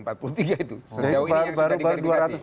sejauh ini yang sudah dikreditasi